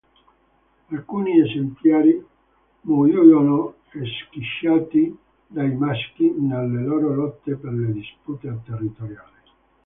Alcuni esemplari muoiono schiacciati dai maschi nelle loro lotte per le dispute territoriali.